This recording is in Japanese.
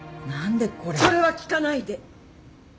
それは聞かないで。